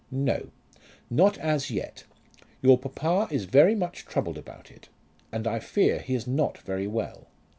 "No; not as yet. Your papa is very much troubled about it, and I fear he is not very well.